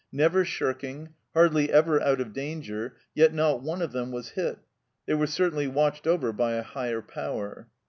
Never shirking, hardly ever out of danger, yet not one of them was hit ; they were certainly watched over by a Higher Power.